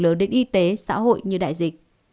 lớn đến y tế xã hội như đại dịch